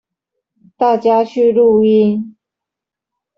大家去錄音